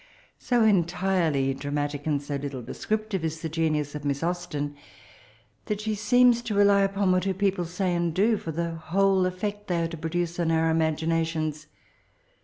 So entirely dramatic, and so little descriptive, is the genius of Miss Austen, tnat she seems to rely upon what her people say and do for the whole effect they are to produce on onr imaginations.